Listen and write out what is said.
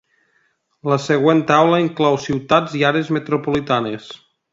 La següent taula inclou ciutats i àrees metropolitanes.